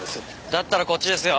だったらこっちですよ。